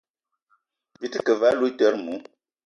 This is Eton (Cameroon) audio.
Byi te ke ve aloutere mou ?